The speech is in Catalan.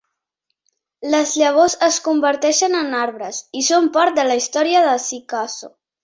Les llavors es converteixen en arbres i són part de la història de Sikasso.